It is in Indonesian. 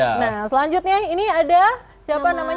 nah selanjutnya ini ada siapa namanya